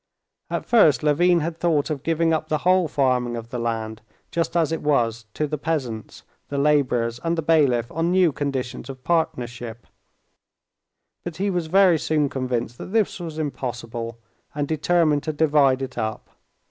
At first Levin had thought of giving up the whole farming of the land just as it was to the peasants, the laborers, and the bailiff on new conditions of partnership; but he was very soon convinced that this was impossible, and determined to divide it up.